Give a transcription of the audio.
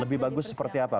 lebih bagus seperti apa